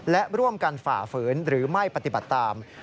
และร่วมกันฝ่าฝืนหรือไม่ปฏิบัติตาม